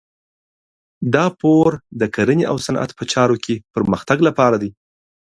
دا پور د کرنې او صنعت په چارو کې پرمختګ لپاره دی.